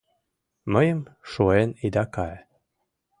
Мыйым шуэн ида кае!